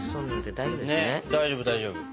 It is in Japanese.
大丈夫大丈夫。